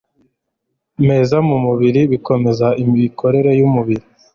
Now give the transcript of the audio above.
meza mu mubiri bigakomeza imikorere yumubiri